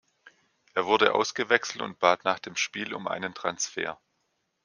Er wurde ausgewechselt und bat nach dem Spiel um einen Transfer.